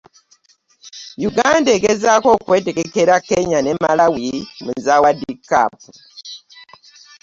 Uganda egezaako kwetegekera Kenya ne Malawi mu za World cup